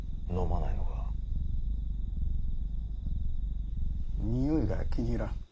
においが気に入らん。